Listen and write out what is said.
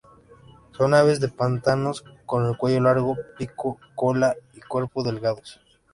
Son aves de pantanos, con el cuello largo, pico, cola y cuerpo delgados.